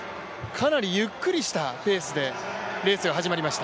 かなりゆっくりしたペースでレースが始まりました。